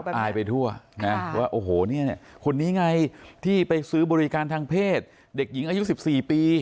อายไปทั่วนะว่าโอ้โหเนี่ยคนนี้ไงที่ไปซื้อบริการทางเพศเด็กหญิงอายุ๑๔ปี